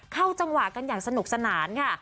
เข้าจังหวะกันอย่างสนุกสนานค่ะ